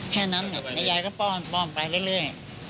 แค่นั้นยายก็ป้อนป้อนไปเรื่อย